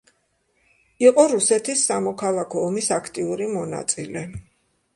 იყო რუსეთის სამოქალაქო ომის აქტიური მონაწილე.